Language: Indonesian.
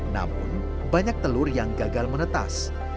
namun banyak telur yang gagal menetas